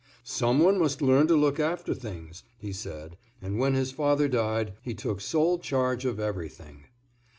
"Some one must learn to look after things," he said, and when his father died he took sole charge of everything.